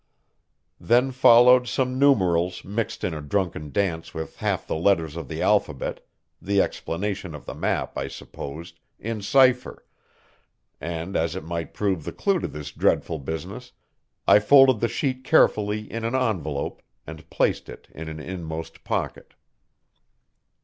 Then followed some numerals mixed in a drunken dance with half the letters of the alphabet the explanation of the map, I supposed, in cipher, and as it might prove the clue to this dreadful business, I folded the sheet carefully in an envelope and placed it in an inmost pocket.